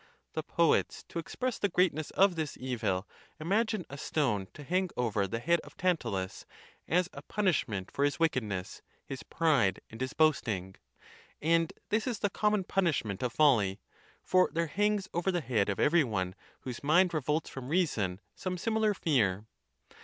The poets, to express the greatness of this evil, imagine a stone to 142 THE TUSCULAN DISPUTATIONS. hang over the head of Tantalus, as a punishment for his wickedness, his pride, and his boasting. And this is the common punishment of folly; for there hangs over the head of every one whose mind revolts from reason some similar fear.